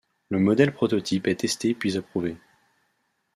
Le modèle prototype est testé puis approuvé.